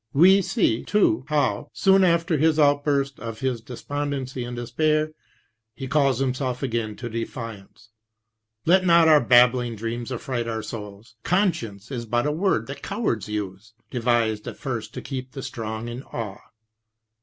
We see, too, how, soon after this outburst of his despondency and despair, he calls himself again to defiance :" Let not our babbling dreams affright our souls. Conscience is but a word that cowards use, Devised at first to keep the strong in awe."